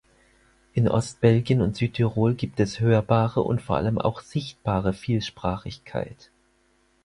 In Ostbelgien und Südtirol gibt es hörbare und vor allem auch sichtbare Vielsprachigkeit.